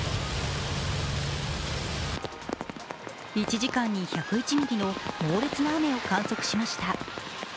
１時間に１０１ミリの猛烈な雨を観測しました。